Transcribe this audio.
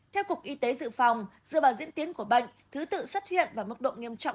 theo cục y tế dự phòng dựa vào diễn tiến của bệnh thứ tự xuất hiện và mức độ nghiêm trọng